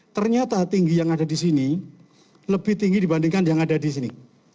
ternyata tinggi yang ada di sini lebih tinggi dibandingkan yang ada di sini